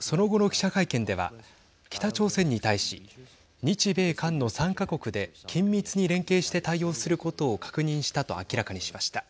その後の記者会見では北朝鮮に対し日米韓の３か国で緊密に連携して対応することを確認したと明らかにしました。